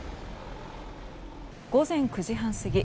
午前９時半過ぎ